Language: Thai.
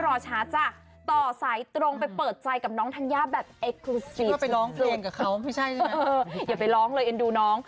กันเข้าเรียนหาคำกรอบฟังบนทางเพื่อนฟูน